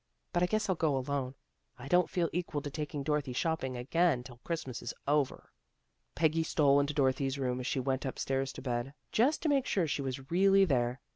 But I guess I'll go alone. I don't feel equal to taking Dorothy shopping again till Christmas is over." Peggy stole into Dorothy's room as she went upstairs to bed, just to make sure she was really there.